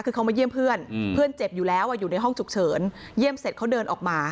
คือเขามาเยี่ยมเพื่อนเพื่อนเจ็บอยู่แล้วอยู่ในห้องฉุกเฉินเยี่ยมเสร็จเขาเดินออกมา